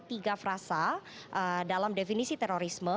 tiga frasa dalam definisi terorisme